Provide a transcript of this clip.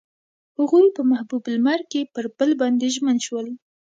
هغوی په محبوب لمر کې پر بل باندې ژمن شول.